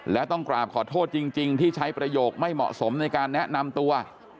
และต้องกราบขอโทษจริงที่ใช้ประโยคไม่เหมาะสมในการแนะนำตัว